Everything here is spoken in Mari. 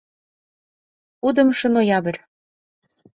Кудымшо ноябрь.